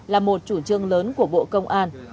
là một chủ trương lớn của bộ công an